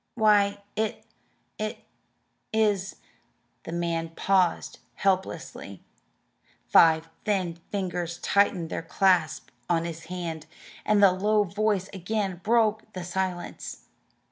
"Why, it it is " The man paused helplessly. Five thin fingers tightened their clasp on his hand, and the low voice again broke the silence.